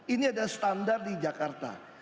ini ada standar di jakarta